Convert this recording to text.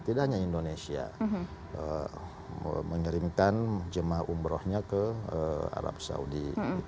tidak hanya indonesia mengirimkan jemaah umrohnya ke arab saudi